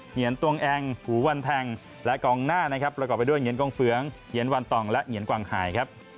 เหยียนตวงแองผูวันแทงและกองหน้านะครับประกอบไปด้วยเหงียนกองเฟืองเหงียนวันต่องและเหงียนกวางหายครับ